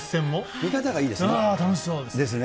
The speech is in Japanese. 見方がいいですね。